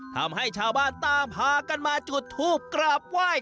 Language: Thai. ทำให้ชาวบ้านต่างพากันมาจุดทูปกราบไหว้